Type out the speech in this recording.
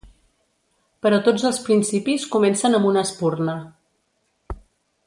Però tots els principis comencen amb una espurna.